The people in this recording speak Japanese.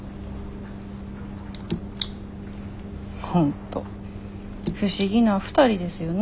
本当不思議な２人ですよね。